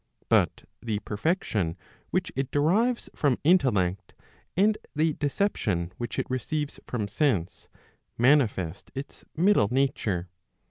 But the perfection which it derives from intellect, and the deception which it receives from sense, manifest its middle nature.